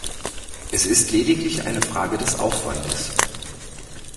Es ist lediglich eine Frage des Aufwandes.